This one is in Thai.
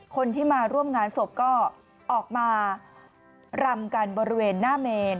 คนที่มาร่วมงานศพก็ออกมารำกันบริเวณหน้าเมน